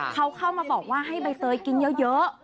เขาเข้ามาบอกว่าให้ใบเตยกินเยอะ